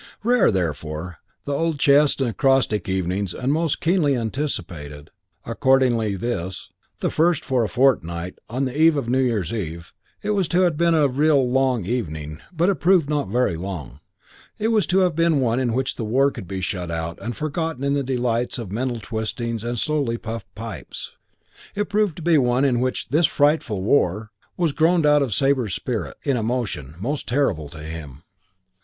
Rare, therefore, the old chess and acrostic evenings and most keenly anticipated, accordingly, this the first for a fortnight on the eve of New Year's Eve. It was to have been a real long evening; but it proved not very long. It was to have been one in which the war should be shut out and forgotten in the delights of mental twistings and slowly puffed pipes; it proved to be one in which "this frightful war!" was groaned out of Sabre's spirit in emotion most terrible to him.